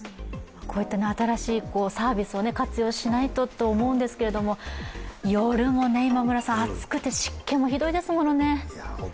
こういった新しいサービスを活用しないと、と思うんですが夜も暑くて湿気もひどいですものね。